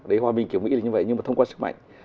đấy hòa bình kiểu mỹ là như vậy nhưng mà thông qua sức mạnh